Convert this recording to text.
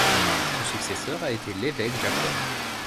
Son successeur a été l'évêque Jacob.